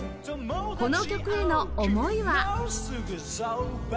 この曲への思いは？